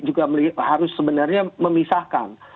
juga harus sebenarnya memisahkan